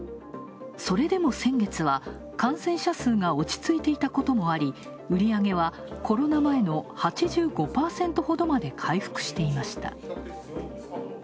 それでも先月は、感染者数が落ち着いていたこともあり売り上げはコロナ前の８５％ほどまで回復していました。